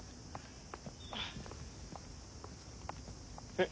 えっ？